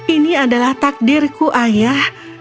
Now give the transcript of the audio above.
ini adalah takdirku ayah